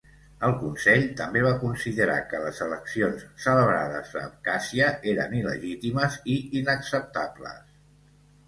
El Consell també va considerar que les eleccions celebrades a Abkhàzia eren il·legítimes i inacceptables.